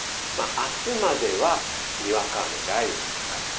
あすまではにわか雨、雷雨という感じ。